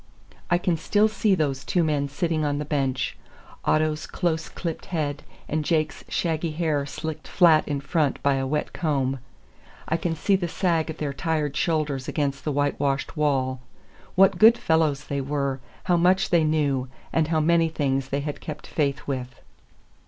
I can still see those two men sitting on the bench; Otto's close clipped head and Jake's shaggy hair slicked flat in front by a wet comb. I can see the sag of their tired shoulders against the whitewashed wall. What good fellows they were, how much they knew, and how many things they had kept faith with!